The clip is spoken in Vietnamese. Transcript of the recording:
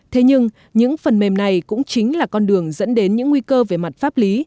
thế nhưng những phần mềm này cũng chính là con đường dẫn đến những nguy cơ về mặt pháp lý